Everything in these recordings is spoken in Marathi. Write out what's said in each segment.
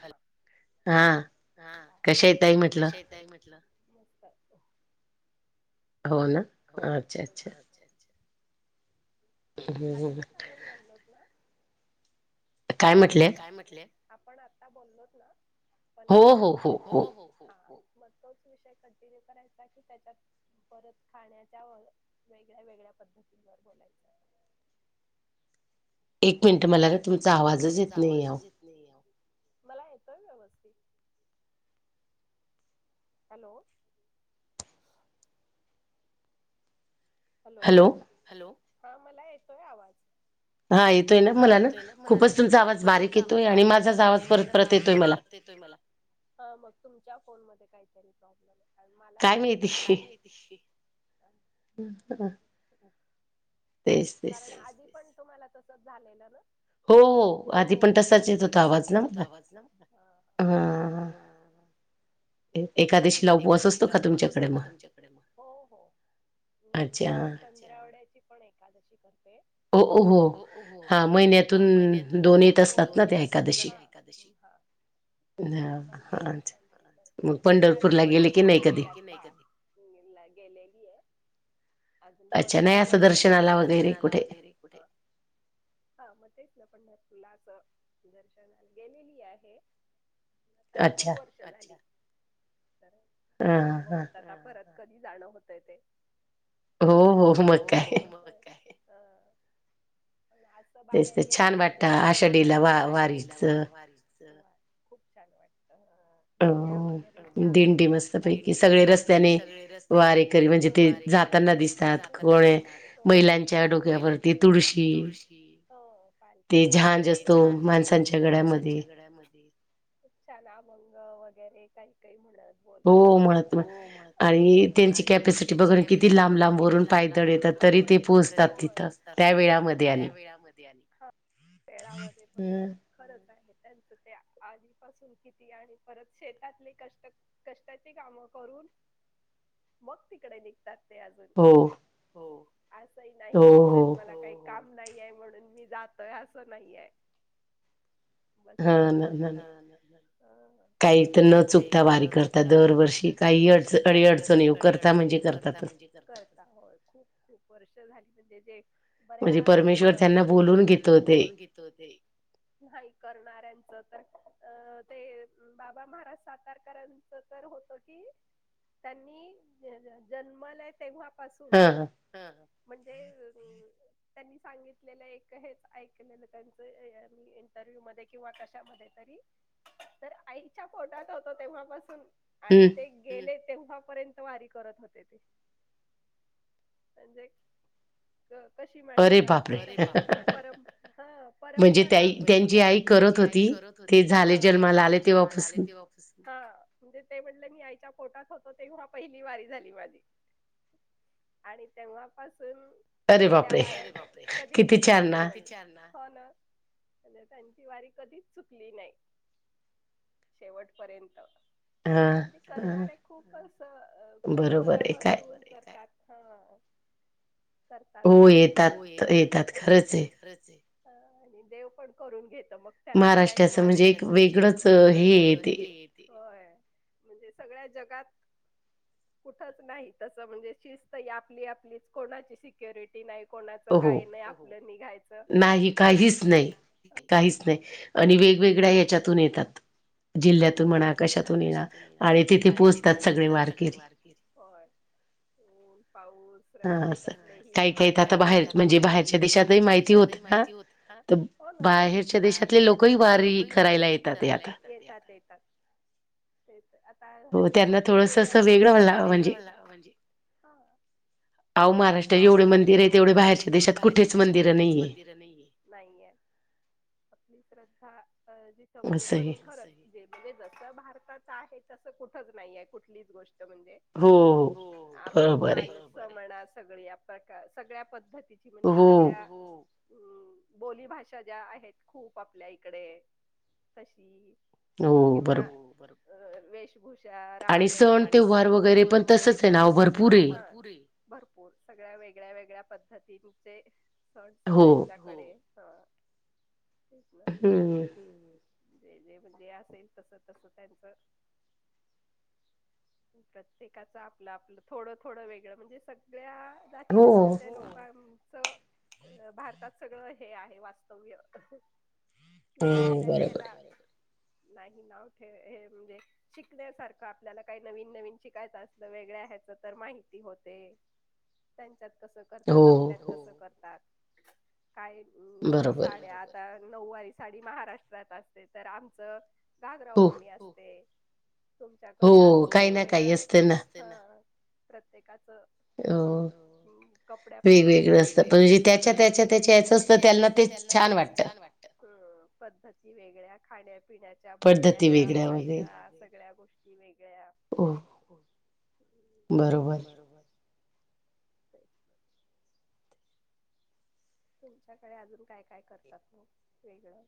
हॅल हा कश येतय म्हटलं हो ना हो ना अच्छा अच्छा आत्ताच आपण बोललोत ना काय म्हटले आपण आता बोललोत ना पण हो हो हा मग तोच विषय कंटिन्यू करायचा की त्याच्यात परत खाण्याच्या व वेगळ्या वेगळ्या पद्धतींवर बोलायचं एक मिनंट म एक मिनिट मला तुमचा आवाजच येत नाही मला येतोय व्यवस्थित हॅलो हॅलो हॅलो हा मला येतोय आवाज हा येतोय ना मला ना खूपच तुमचा आवाज बारीक येतोय आणि माझाच आवाज परत परत येतोय मला मग तुमच्या फोन मध्ये काहीतरी प्रॉब्लेम आहे कारण मला येतो व्यवस्थित. दिश [unintelligible] हम् ह [unintelligible] तर [unintelligible] कारण आधी पण तुम्हाला तसच झालेलं ना? हो आधी पण तसाच येत होत आवाज ना म हा हा एखादी एकाादशीलावप बस असतो का तुमच्याक हो हो मग मी तर पंधरावड्याची पण एखकादशी करतोय हो हो हो हा महिन्यातून दोन येत असतात ना ते एकादशी. पंढरपूरला गेले की नाही कधी? हा गेलेली आहे अजून पण खूप वर्ष असं नाही असं दर्शनाला वगैरे कुठे.. हा मग तेच ना पंढरपूलाच दर्शना गेलेली आहे. आता खूप वर्ष झाली. तर बघू तर परत कधी जाणं होतय ते. हो हो मग काय. बाहेर गेल्यावर तिकडे छान वाटत आषाढीला वारीच. खूप छान वाटतं दिंड्या वगैरे दिंडी मस्तपैकी सगळे रस्त्याने वारेकरी म्हणजे ते जाताना दिसत. बैलां, तुळशी, पाल्या वगैरे ते छाछ असतात. तो माणसांच्या गड्यामध्ये खूप छान अभंग वगैरे काही काही म्हणत. हो म्हणत ना आणि त्यांची कॅपसिटी बघ किती लांब लांब वरुन पाय तड येतात तरी ते पोहोचतात तिथं त्या वेळामध्ये आणि वेळामध्ये पण. खरच आहे त्यांचं ते आधीपासून किती आणि परत शेतातले कष्ट कष्टाची कामं करून मग तिकडे निघतात ते अजून. हो. असं नाही की चल मला काही काम नाहीे म्हणून मी जातोय असं नाहीये. बसल्या बसल्या काही न चुकता वारी करता दरवर्षी काही अडी अडचण यो करता म्हणजे करता होय खूप खूप वर्ष झाली म्हणजे जे बऱ्याच परमेश्वर त्यांना बोलून घेत. नाही करणाऱ्यांच तर ते बाबा महाराज करांच तर होत की त्यांनी जन्मला तेव्हा पाासून म्हणजे त्यांनी सांगितलेलं एक हेच ऐकलेलं त्यांचं मी इंटरव्ह्यू मध्ये किंवा कशामध्ये तरी तर आईच्या पोटात होतो तेव्हापासून आणि ते गेले तेव्हा पर्यंत वारी करत होते ते. म्हणजे. कशी माणसं असतील अरे बापरे परं हा परंपरा म्हणजे त्या त्यांची आई करत होती ते झाले जन्माला आले तेव्हा पासुन हा म्हणजे ते म्हटलं मी आईच्या पोटात होतो तेव्हा पहिली वारी झाली माझी आणि आणि तेव्हापासून केल्या वाऱ्या कधीच चुकली नाही [unintelligible] हो ना म्हणजे त्यांची वारी कधीच चुकली नाही शेवट पर्यंत म्हणजे करणारे खूप अस खूप मनापासून करतात. हा करतात आणि हो येतात येतात खरंच आहे. आणि देव पण करून घेत मग त्याला करायचं महाराष्ट्राचं म्हणजे एक वेगळंच होय म्हणजे सगळ्या जगात. कुठच नाही तसं म्हणजे शिस्त आपली आपलीच कोणाची शिक. सिक्युरिटी नाही कोणाच काही नाही आपलं निघायचं. काहीच नाही आणि वेगवेगळ्या हच्यातून येतात. जिल्ह्यातून म्हणा कशातून येना आणि तिथे पोहोचतात सगळे वारकिरी होय ऊन पाऊस रस्ते कसलेही खाडयात का का आता बाहेर म्हणजे बाहेरच्या देशातही माहिती होते ना बाहेरच्या देशातले लोकही वारी करायला येतात येतात ते आता हल्ली सोशल मीडिया मुळे थोडस अस वेगळं म्हणजे हा.. आहो महाराष्ट्रात एवढे मंदिर आहे तेवढे बाहेरच्या देेशात कुठेच मंदिर नाहीये.. नाहीये आपली श्रद्धा अ जिस म्हणजे पण खरंच म्हणजे जसं भारतात आहे तसं कुठच नाही आहे कुठलीच गोष्ट म्हणजे हो आप मा असं म्हणा सगळी या प्रकार सगळ्या पद्धतीची म्हणजे सगळ्या हम्म बोलीभाषा ज्या आहेत खूप आपल्या इकडे कशी किंवा भरपूर वेश भुषा राहण आणि सण तेव्हार वगैरे पण तसच आहे ना अहो भरपूर ये भरपूर सगळ्या वेगळ्या वेगळ्या पद्धतींचे सण सगळ्यांच्याकडे. हा तेच ना जे जे म्हणजे असेल तस तसं त्यांचं प्रत्येकाचं आपलं आपलं थोडं थोडं वेगळं म्हणजे सगळ्या जाती जमाती लोक भारतात सगळं हे आहे वास्तव्य कि कुठल्याला नाही नाव ठे हे म्हणजे शिकण्यासारखं आपल्याला काही नवीन नवीन शिकायचं असलं वेगळ ह्याच तर माहिती होते.. त्यांच्यात कसं करतात आपल्यात कसं करतात.. काय साड्या आता नऊवारी साडी महाराष्ट्रात असते तर आमचं घागरा ओडणी असते तुमच्याकडे अजून काही वेग हो काही ना काही असते प्रत्येकाचं कपड्या वेगवेगळ असत पणजे त्याच्या त्याच्या त्याच्या याच असतं त्यांना तेच छान वाटतं.. हम्म पद्धती वेगळ्या खाण्यापिण्याच्या बोलण्याच्या भाषा सगळ्या गोष्टी किती वेगळ्या हो.. हो.. बरोबर.. [inaudible] तुमच्याकडे अजून काय काय करतात मग वेगळं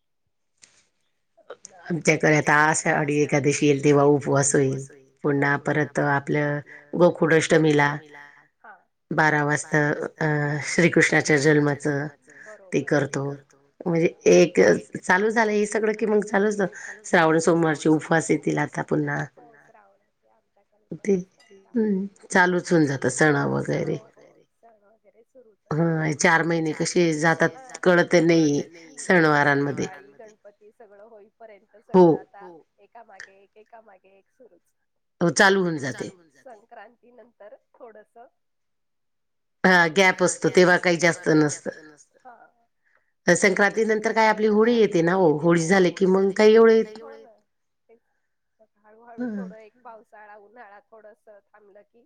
आमच्याकडे आता आषाढी एखकादशी येईल तेव्हा उपवास होईल पुन्हा परत गोकुळ अष्टमी बारा वाजता अं श्रीकृष्णाच्या जन्माच ते करतो. म्हणजे एक चालू झालं. आणि हे सगळं. मग झालं श्रावण सोमवारचे उपास येतील आता पुर् श्रवणा आमच्याकडे पण. ् चालूच होऊन जात सण वगैरे सण वगैरे सुरू. ह चार महिने कशी जातात कळत नाही शनवार. गणपती सगळं होईपर्यंत सगळं आता. एका मागे एक एका मागे एक सुरूच चालू. संक्रांती नंतर थोडस. हे बघ गॅप असतो तेव्हा काही जास्त नसत.. संक्रांती नंतर काय, आपली होळी येते. येते ना ओ, होळी झाली की मग काय एवढं, मग हळू-हळू थोडं पावसाळा, उन्हाळा, थोडस थांबलं की,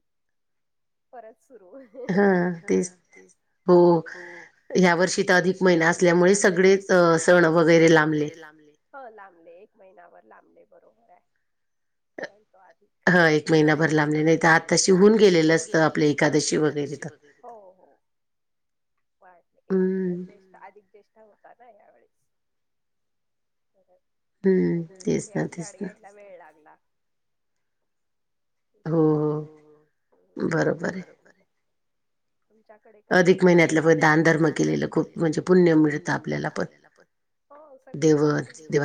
परत सुरू हा तेच हो ह्या वर्षी अधिक महि असल्यामुळे सगळे सण वगैरे. लांब हो लांबले एक महिना्यावर लांबले बरोबर आहे. कारण तो आधि ह एक महिना भर लांबले, नाही तर आता तशी होऊन गेलेलं असतं, आपल्या एकादशी वगैरे. हो हो, वाढल एक, ज्येष्ठ अधिक ज्येष्ठ होता ना यावेेळेस. त्याच्यामुळे पुढे आषाढ, यायला वेळ लागला. तर आहे, हो हो, बरोबरे. तुमच्याकडे काय करता, अधिक महिन्यातल्या दानधर्म केलेलं खूप म्हणजे, पुण्य मिळतं आपल्याला पण. हो सगळ्या गोष्टी, देव,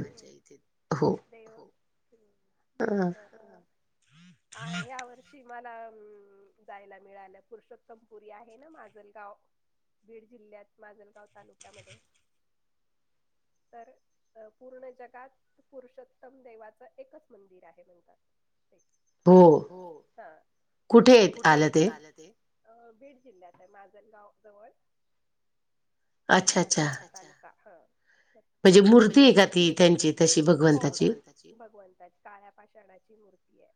हम्म. ह्या वर्षी शीमाला जायला मिळालं, पुरुषोत्तमपुरी आहे ना, माझल गाव. बीड जिल्ह्यात, माजलगाव तालुक्यामध्ये, तर अ, पूर्ण जगात, पुरुषोत्तम देवाचं एकच मंदिर आहे म्हणतात. हो कुठे आलं ते. अ बीड जिल्ह्याते, माजल गाव जवळ, माझल म्हणजे मूर्तीय का ती त्यांची तशी भगवतांची. भगवंताची काळ्या पाषाणाची मूर्तीये.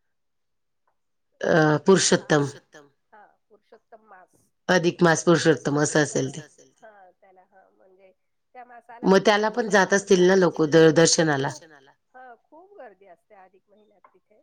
तर अ पुरुषोत्तम, हा पुरुषोत्तम मास. अधिक मास, पुरुषोत्तम अस असेल ते. त्याला म्हणजे त्या मासाला पण त्याला पण जात असतील ना लोक, देवदर्शन- ह, खूप गर्दी असते अधिक महिन्यात तिथे.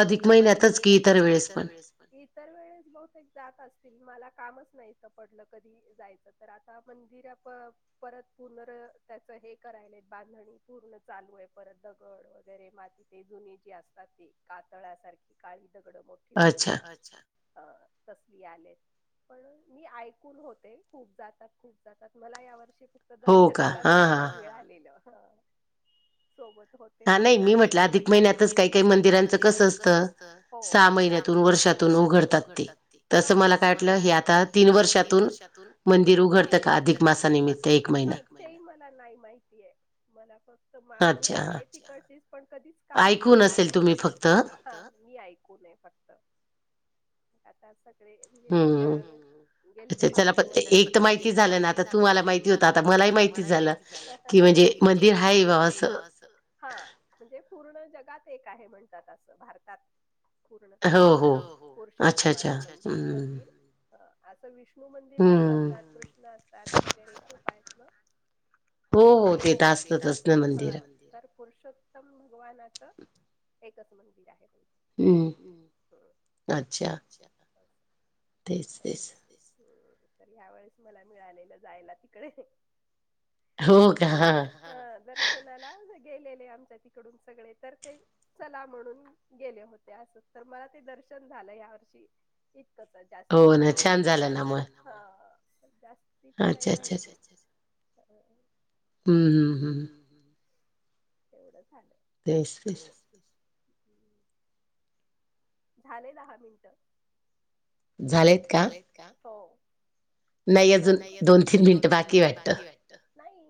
फक्त अधिक महिन्यातच की, इतर वेळेस इतर वेळेस बहुतेक जात असतील, मला कामच नाही त पडलं कधी जायचं. तर आता, मंदिर परत, पूर्ण त त्याच हे करायले, बांधणी, पूर्ण चालूये, परत दगड वगैरे माती ते जुने जे असतात ते, कातळ्यासारखी, काळी दगड मोठी मोठी, ह तसली आले. पण मी ऐकून होते, खूप जातात, खूप जातात, मला या वर्षी फक्त फिरायला जायला मिळालेल, ह, सोबत होत नाही मी म्हटलं अधिक महिन्यातच, काही- काही, मंदिरांच कस असतं, सहा महिन्याून, वर्षातून, उ घडतात ते, तस मला काय वाटलं, हे आता तीन वर्षातून, मंदिर उघडत का? त्या निमित्त एक महि ते मला नाही माहितीये, मला फक्त मा, मी आहे तिकडशीच पण कधीच कामच नव्हत, ऐकून असेल तुम्ही फक्त, मी ऐकूनय फक्त. आता सगळे म्हणजे आमच्या, गेल ते भाची वैगेरे, एक त माहिती झालं ना आता. तुम्हाला माहिती होत, आता मलाही माहिती झालं, की म्हणजे मंदिर आहे बा असं. हा, म्हणजे पूर्ण जगात एक आहे, म्हणतात असं, भारतात. पूर्ण, पुरुषोत्तम चा मंदिर, असं विष्णू विष्णू मंदिर खूप असतात कृष्ण असतात वगैरे खूप आहेत ना. हो, ते तर असतच असत मंदिर. पुरुषोत्तम भगवानाचं, एकच मंदिर आहे, हम्म. अच्छा तेच. तेर ह्या वेळेस, मला मिळालेलं, जायला तिकडे. हो का, हा दर्शनाला गेलेले आमच्या तिकडून सगळे, तर ते चला म्हणून गेले होते असं, तर मला ते दर्शन झालं या वर्षी. इतकंच जास्तीची माहिती हा तर जास्तीची नाही माहिती. हम्म हम् हम् तेवढंखाल झाले दहा मिनिटं. झालेत का? हो. करू का? नाही अजून दोन तीन मिनिट बाकी वाटत, नाही,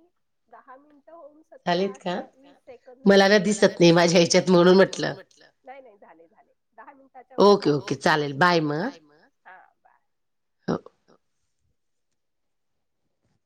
दहा मिनिटं होऊन सू सतरा आठरा वीस सेकंद झाले मला काय दिसत नाही माझ्या या्याच्यात म्हणून म्हटलं. नाही नाही झाले झाले दहा मिनिटाच्या वर झाले ओके ओके चालेल बाय मग हां बाय. हो.